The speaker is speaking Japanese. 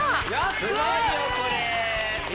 すごいよこれ。